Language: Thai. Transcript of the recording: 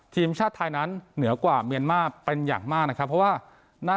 ทีมชาติไทยนั้นเหนือกว่าเมียนมาร์เป็นอย่างมากนะครับเพราะว่าน่า